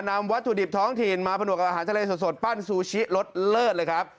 วัตถุดิบท้องถิ่นมาผนวกกับอาหารทะเลสดปั้นซูชิรสเลิศเลยครับ